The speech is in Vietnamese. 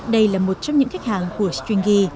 đây là một trong những khách hàng của stringy